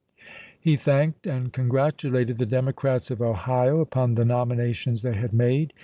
He thanked and congratulated the Democrats of Ohio upon the nominations they had made.